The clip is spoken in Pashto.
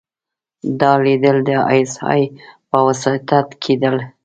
دا ليدل د ای اس ای په وساطت کېدل.